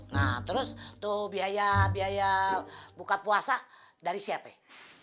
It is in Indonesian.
nah terus tuh biaya biaya buka puasa dari siapa ya